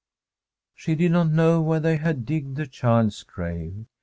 She did not know where they had digged the child's grave.